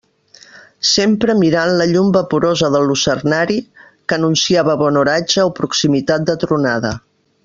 Sempre mirant la llum vaporosa del lucernari que anunciava bon oratge o proximitat de tronada.